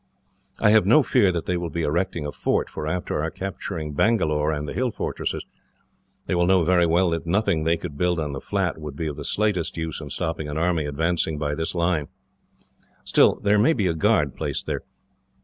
"I have no fear that they will be erecting a fort, for after our capturing Bangalore and the hill fortresses, they will know very well that nothing they could build on the flat would be of the slightest use in stopping an army advancing by this line. Still, there may be a guard placed there.